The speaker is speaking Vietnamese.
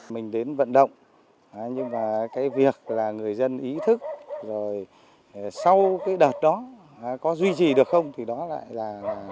mình đến vận động nhưng mà cái việc là người dân ý thức rồi sau cái đợt đó có duy trì được không thì đó lại là